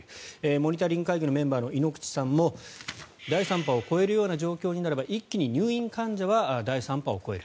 モニタリング会議のメンバーの猪口さんも第３波を超えるような状況になれば一気に入院患者は第３波を超える。